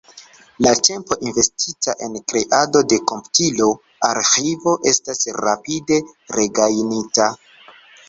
La tempo investita en kreado de komputila arĥivo estas rapide regajnita.